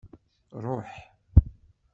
Ṛuḥ.